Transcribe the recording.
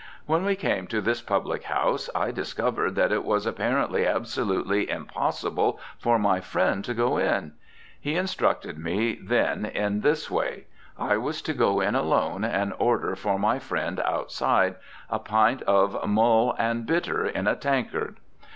When we came to this public house I discovered that it was apparently absolutely impossible for my friend to go in. He instructed me then in this way: I was to go in alone and order for my friend outside a pint of "mull and bitter, in a tankard."